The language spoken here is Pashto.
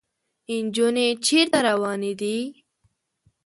انجونې چېرته روانې دي ؟